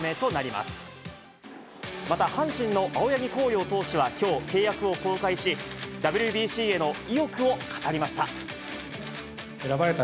また、阪神の青柳晃洋投手はきょう契約を更改し、ＷＢＣへの意欲を語りました。